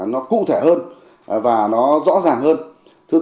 nó cụ thể hơn và nó rõ ràng hơn thứ tư